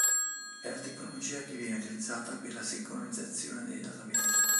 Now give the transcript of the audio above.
È la tecnologia che viene utilizzata per la sincronizzazione dei database.